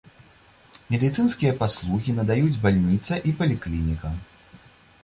Медыцынскія паслугі надаюць бальніца і паліклініка.